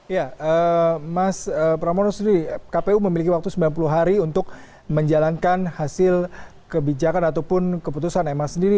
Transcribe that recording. ya mas pramono sendiri kpu memiliki waktu sembilan puluh hari untuk menjalankan hasil kebijakan ataupun keputusan ma sendiri